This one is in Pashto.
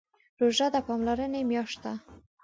روژه د پاملرنې میاشت ده.